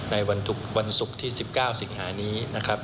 ในวันศุกร์ที่๑๙สิงหานี้